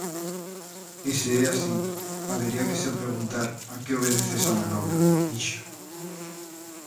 E se é así habería que se preguntar a que obedece esa manobra, dixo.